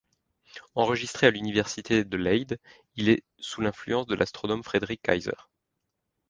Enregistré à l'Université de Leyde, il est sous l'influence de l'astronome Frederik Kaiser.